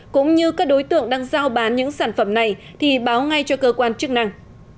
cũng như các đối tượng đang giao bán những sản phẩm này thì báo ngay cho cơ quan chức năng